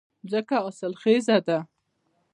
ځمکه حاصلخېزه ده